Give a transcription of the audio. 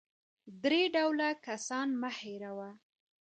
درې ډوله کسان مه هېروه .